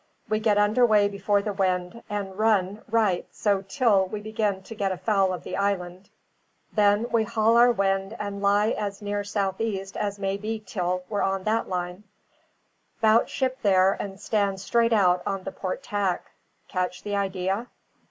We get under way before the wind, and run right so till we begin to get foul of the island; then we haul our wind and lie as near south east as may be till we're on that line; 'bout ship there and stand straight out on the port tack. Catch the idea?"